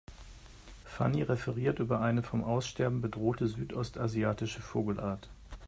Fanny referiert über eine vom Aussterben bedrohte südostasiatische Vogelart.